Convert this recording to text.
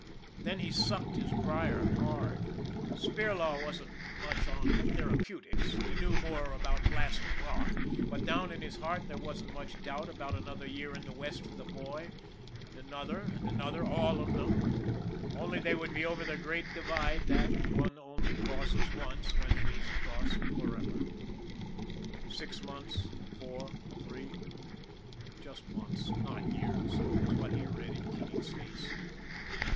Then he sucked his briar hard. 132 ON THE IRON AT BIG CLOUD Spirlaw wasn't much up on therapeutics, he knew more about blasting rock, but down in his heart there wasn't much doubt about another year in the West for the boy, and another and another, all of them only they would be over the Great Divide that one only crosses once when it is crossed forever. Six months, four, three, just months, not years, was what he read in Keating's face.